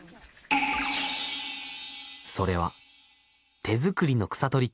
それは手作りの草取り機。